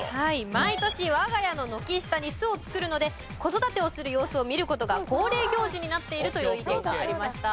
「毎年我が家の軒下に巣を作るので子育てをする様子を見る事が恒例行事になっている」という意見がありました。